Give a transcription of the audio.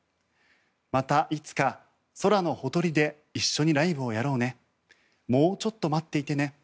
またいつか空のほとりで一緒にライブをやろうねもうちょっと待っていてね